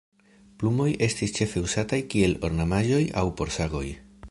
Plumoj estis ĉefe uzataj kiel ornamaĵo aŭ por sagoj.